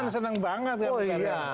senang banget ya